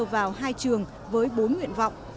vào hai trường với bốn nguyện vọng